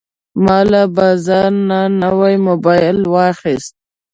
ما له بازار نه نوی موبایل واخیست.